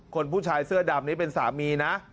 ผู้ชายเสื้อดำนี้เป็นสามีนะ